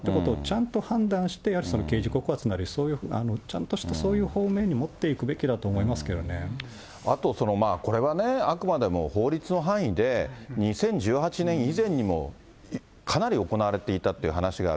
だから外形的にどういうものであったかをちゃんと判断して刑事告発なり、そういう、ちゃんとしたそういう方面に持っていくべきだあと、これはね、あくまでも法律の範囲で、２０１８年以前にもかなり行われていたという話がある。